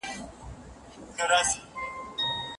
مراقبه مو د روح ارامي ده.